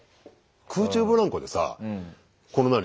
空中ブランコでさこの何？